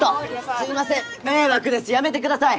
すいません迷惑ですやめてください！